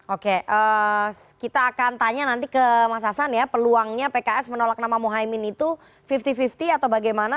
oke kita akan tanya nanti ke mas hasan ya peluangnya pks menolak nama muhaymin itu lima puluh lima puluh atau bagaimana